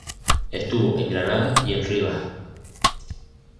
Estuvo en Granada y en Rivas.